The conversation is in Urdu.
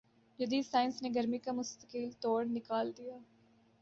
جدید سائنس نے گرمی کا مستقل توڑ نکال دیا ہے